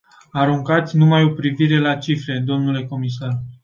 Aruncați numai o privire la cifre, dle comisar.